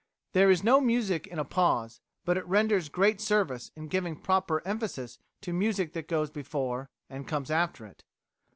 There is no music in a pause, but it renders great service in giving proper emphasis to music that goes before and comes after it.